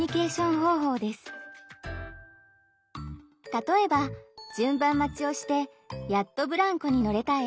例えば順番待ちをしてやっとブランコに乗れたＡさん。